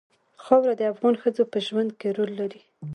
خاوره د افغان ښځو په ژوند کې رول لري.